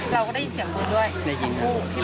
เราก็ได้ยินเสียงปืนด้วย